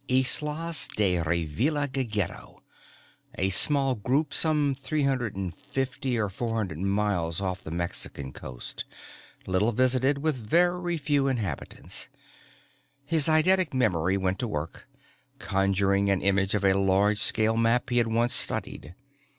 Islas de Revillagigedo a small group some 350 or 400 miles off the Mexican coast, little visited with very few inhabitants. His eidetic memory went to work, conjuring an image of a large scale map he had once studied.